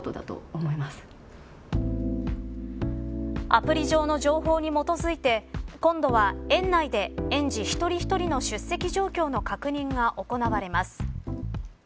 アプリ上の情報に基づいて今度は園内で、園児一人一人の出席状況の確認が行われます。